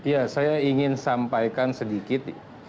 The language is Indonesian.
ya saya ingin sampaikan sedikit